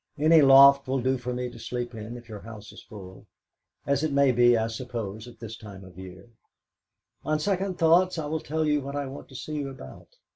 Any loft will do for me to sleep in if your house is full, as it may be, I suppose, at this time of year. On second thoughts I will tell you what I want to see you about.